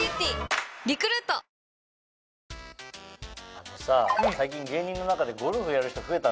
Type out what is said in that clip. あのさ最近芸人の中でゴルフやる人増えたね。